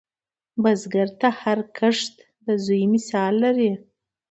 بزګر ته هر کښت د زوی مثال لري